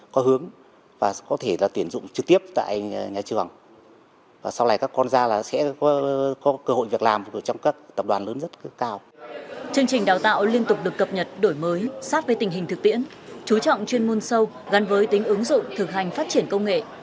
chương trình đào tạo liên tục được cập nhật đổi mới sát với tình hình thực tiễn chú trọng chuyên môn sâu gắn với tính ứng dụng thực hành phát triển công nghệ